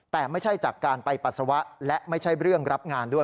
แต่ไม่ใช่จากการไปปัสสาวะและไม่ใช่เรื่องรับงานด้วย